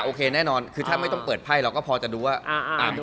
แน่นอนคือถ้าไม่ต้องเปิดไพ่เราก็พอจะดูว่า